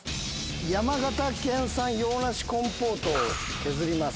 山形県産洋梨コンポートを削ります。